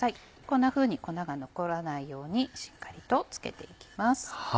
こんなふうに粉が残らないようにしっかりと付けて行きます。